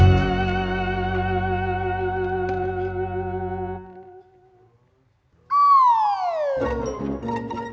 bisa dikawal di rumah ini